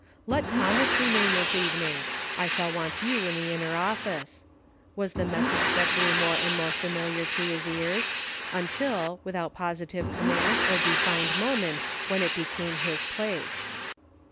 " Let Thomas remain this evening ; I shall want you in the inner office," was the message that grew more and more familiar to his ears, until, without positive com mand or defined moment when it became his place.